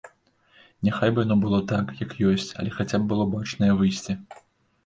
Няхай бы яно было так, як ёсць, але хаця б было бачнае выйсце.